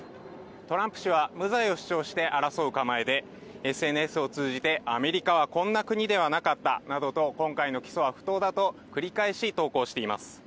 トランプ氏は無罪を主張して争う構えで、ＳＮＳを通じて、アメリカはこんな国ではなかったこんな起訴は不当だと繰り返し投稿しています。